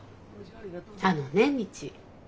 あのね未知。